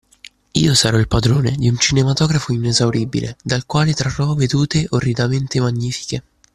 Io sarò il padrone di un cinematografo inesauribile, dal quale trarrò vedute orridamente magnifiche.